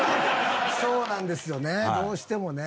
そうなんですよねどうしてもね。